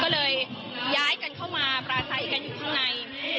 ก็เลยย้ายกันเข้ามาปราศัยกันอยู่ข้างใน